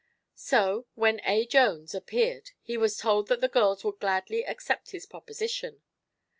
So, when A. Jones appeared he was told that the girls would gladly accept his proposition.